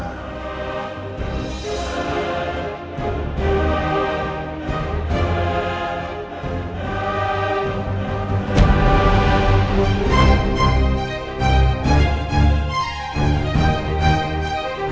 saya mau ke rumah